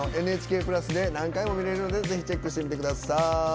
「ＮＨＫプラス」で何回も見れるのでぜひ、チェックしてみてください。